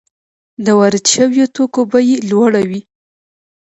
د وارد شویو توکو بیه یې لوړه وي